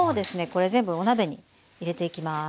これ全部お鍋に入れていきます。